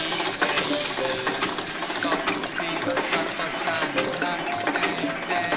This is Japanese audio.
「こっちはさかさになっていて」